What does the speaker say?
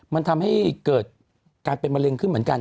มันทำให้เกิดการเป็นมะเร็งขึ้นเหมือนกัน